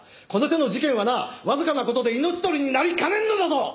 この手の事件はなわずかな事で命取りになりかねんのだぞ！